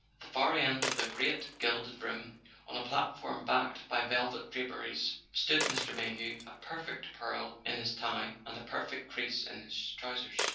At the far end of the great gilded room, on a platform backed by velvet draperies, stood Mr. Mayhew, a perfect pearl in his tie and a perfect crease in his trousers.